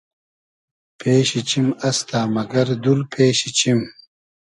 پېشی چیم استۂ مئگئر دور پېشی چیم